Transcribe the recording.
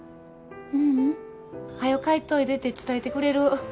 はよ帰っといでて伝えてくれる？